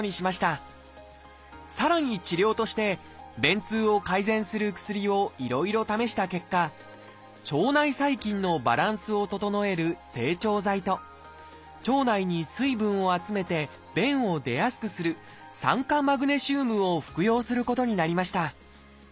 さらに治療として便通を改善する薬をいろいろ試した結果腸内細菌のバランスを整える「整腸剤」と腸内に水分を集めて便を出やすくする「酸化マグネシウム」を服用することになりました。